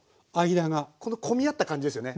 この混み合った感じですよね。